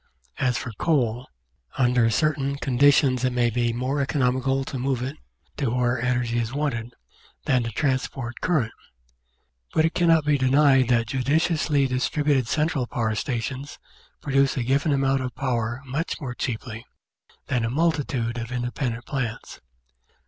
As for coal, under certain conditions it may be more eco nomical to move it to where energy is wanted, than to transport current; but it cannot be denied that judiciously distributed cen tral power stations produce a given amount of power much more cheaply than a multitude of independent plants.